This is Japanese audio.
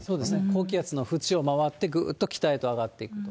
高気圧の縁を回ってぐーっと北へと上がっていくと。